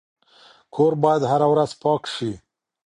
کور باید هره ورځ پاک شي.